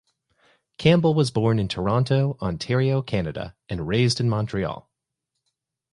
Campbell was born in Toronto, Ontario, Canada and raised in Montreal.